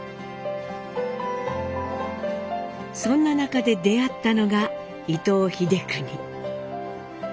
そんな中で出会ったのが伊藤英邦。